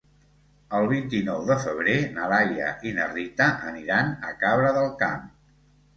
El vint-i-nou de febrer na Laia i na Rita aniran a Cabra del Camp.